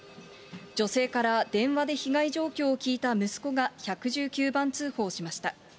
女性から電話で被害状況を聞いた息子が１１９番通報しました。